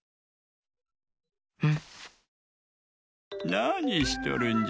なにしとるんじゃ？